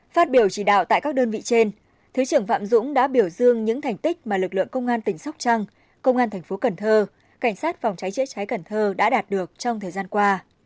phát biểu chỉ đạo tại các đơn vị trên thứ trưởng phạm dũng đã biểu dương những thành tích mà lực lượng công an tỉnh sóc trăng công an thành phố cần thơ cảnh sát phòng cháy chữa cháy cần thơ đã đạt được trong thời gian qua